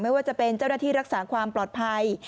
ในการที่รักษาความปลอดภัย